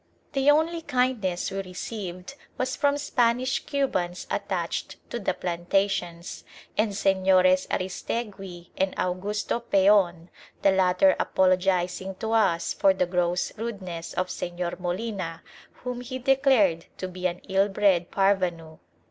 The only kindness we received was from Spanish Cubans attached to the plantations, and Señores Aristegui and Augusto Peon, the latter apologising to us for the gross rudeness of Señor Molina, whom he declared to be an ill bred parvenu.